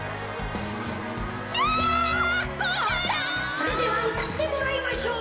それではうたってもらいましょう。